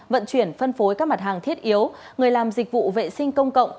vận chuyển phân phối các mặt hàng thiết yếu người làm dịch vụ vệ sinh công cộng